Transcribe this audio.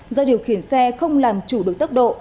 do điều khiển xe không làm chủ được tốc độ